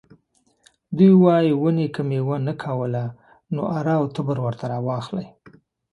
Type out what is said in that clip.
دوی وايي ونې که میوه نه کوله نو اره او تبر ورته راواخلئ.